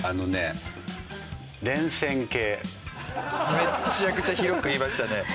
めちゃくちゃ広く言いましたね。